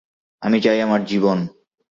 আমি চাই আমার জীবন।